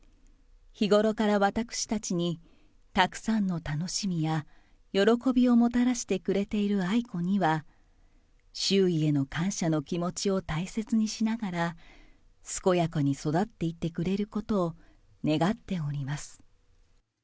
日頃から私たちにたくさんの楽しみや喜びをもたらしてくれている愛子には、周囲への感謝の気持ちを大切にしながら、健やかに育っていってくれることを願っております。